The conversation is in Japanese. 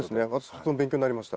勉強になりました